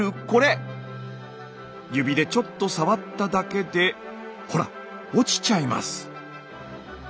指でちょっと触っただけでほら落ちちゃいます。